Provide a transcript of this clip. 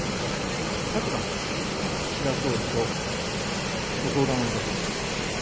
昨晩、岸田総理とご相談をいたしました。